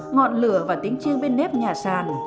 ngọn lửa và tính chiêng bên nếp nhà sàn